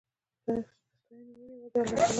د ستاينو وړ يواځې الله تعالی دی